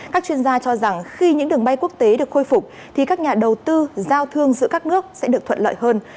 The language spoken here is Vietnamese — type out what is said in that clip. các chuyên gia cho rằng khi những đường bay quốc tế được khôi phục thì các nhà đầu tư giao thương giữa các nước sẽ được thuận lợi hơn